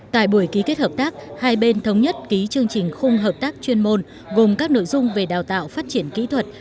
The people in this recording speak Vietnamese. tại buổi ký kết hợp tác hai bên thống nhất ký chương trình khung hợp tác chuyên môn gồm các nội dung về đào tạo phát triển kỹ thuật